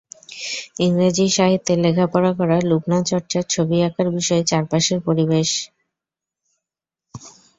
ইংরেজি সাহিত্যে লেখাপড়া করা লুবনা চর্যার ছবি আঁকার বিষয় চারপাশের পরিবেশ।